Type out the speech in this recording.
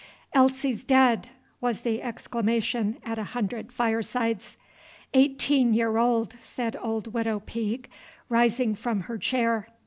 "Elsie 's dead!" was the exclamation at a hundred firesides. "Eighteen year old," said old Widow Peake, rising from her chair.